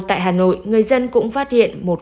tại hà nội người dân cũng phát hiện một